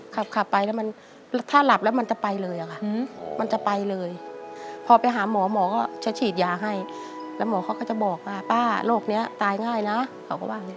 ขับไปแล้วมันถ้าหลับแล้วมันจะไปเลยอะค่ะมันจะไปเลยพอไปหาหมอหมอก็จะฉีดยาให้แล้วหมอเขาก็จะบอกว่าป้าโรคนี้ตายง่ายนะเขาก็ว่าอย่างนี้